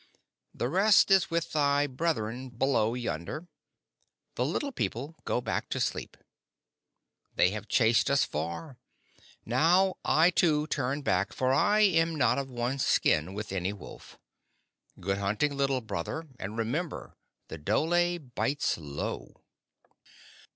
"The rest is with thy brethren below yonder. The Little People go back to sleep. They have chased us far. Now I, too, turn back, for I am not of one skin with any wolf. Good hunting, Little Brother, and remember the dhole bites low."